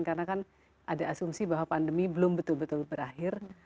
karena kan ada asumsi bahwa pandemi belum betul betul berakhir